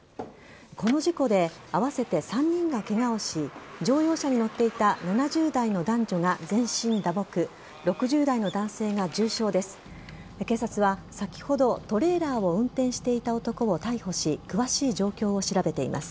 この事故で合わせて３人がケガをし乗用車に乗っていた７０代の男女が全身打撲６０代の男性が重傷です。